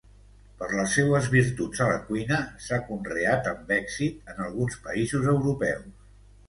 Per les seues virtuts a la cuina, s'ha conreat amb èxit en alguns països europeus.